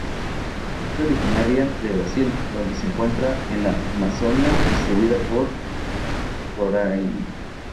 Es originaria de Brasil donde se encuentra en la Amazonia, distribuida por Roraima.